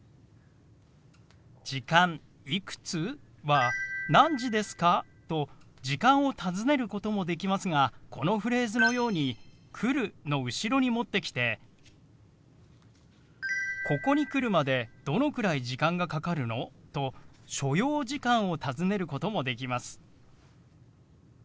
「時間いくつ？」は「何時ですか？」と時間を尋ねることもできますがこのフレーズのように「来る」の後ろに持ってきて「ここに来るまでどのくらい時間がかかるの？」と所要時間を尋ねることもできます。